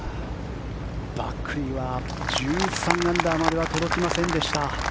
バックリーは１３アンダーまでは届きませんでした。